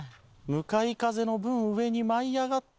向かい風の分上に舞い上がって。